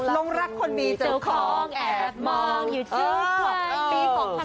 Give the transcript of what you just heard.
ลงรักคนมีเจ้าของแอบมองอยู่ที่ควัน